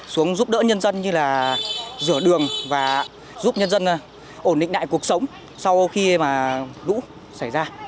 xuống giúp đỡ nhân dân như là rửa đường và giúp nhân dân ổn định đại cuộc sống sau khi mà lũ xảy ra